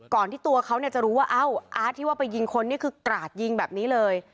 ที่ตัวเขาจะรู้ว่าเอ้าอาร์ตที่ว่าไปยิงคนนี่คือกราดยิงแบบนี้เลย